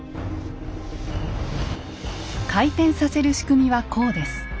回転させる仕組みはこうです。